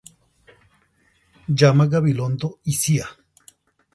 Llama, Gabilondo y Cía.